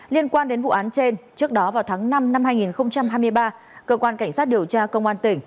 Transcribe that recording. liên quan đến vụ án trên trước đó vào tháng năm năm hai nghìn hai mươi ba cơ quan cảnh sát điều tra công an tỉnh